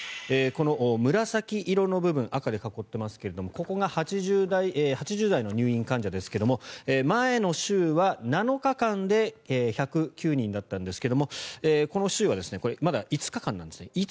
この紫色の部分赤で囲っていますがここが８０代の入院患者ですが前の週は７日間で１０９人だったんですけどこの週はまだ５日間なんですね